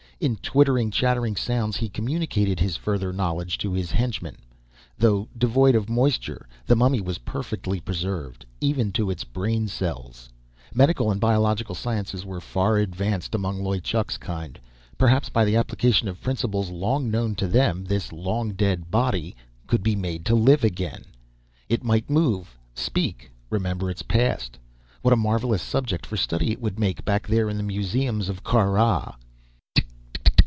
In twittering, chattering sounds, he communicated his further knowledge to his henchmen. Though devoid of moisture, the mummy was perfectly preserved, even to its brain cells! Medical and biological sciences were far advanced among Loy Chuk's kind. Perhaps, by the application of principles long known to them, this long dead body could be made to live again! It might move, speak, remember its past! What a marvelous subject for study it would make, back there in the museums of Kar Rah!